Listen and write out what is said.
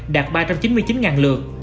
đạt ba trăm chín mươi chín lượt